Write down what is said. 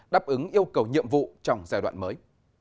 đáp ứng yêu cầu nhiệm vụ trong giai đoạn mới